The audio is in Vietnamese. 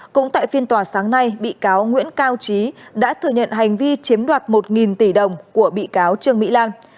cũng tại phiên tòa sáng nay bị cáo nguyễn cao trí đã thừa nhận hành vi chiếm đoạt một tỷ đồng của bị cáo trương mỹ lan